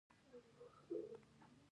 هغو دوو تنو چې زه یې راوستی ووم.